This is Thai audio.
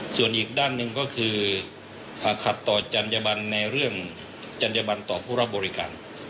ส่วนอีกด้านหนึ่งก็คือขัดต่อจัญญบันในเรื่องจัญญบันต่อผู้รับบริการ